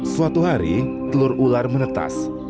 suatu hari telur ular menetas